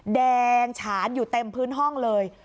แดงฉานอยู่เต็มพื้นห้องเลย